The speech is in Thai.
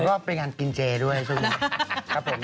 ก็ไปงานกินเจด้วยซึ่งครับผม